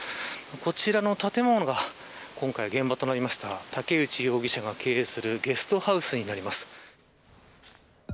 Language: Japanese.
こちらの建物が今回、現場となった武内容疑者が経営するゲストハウスになります。